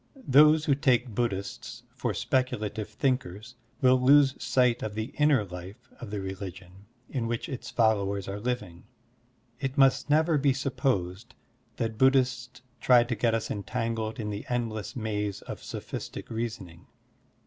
Those who take Buddhists for speculative thinkers will lose sight of the inner life of the religion in which its followers are living. It must never be sup posed that Buddhists try to get us entangled in the endless maze of sophistic reasoning.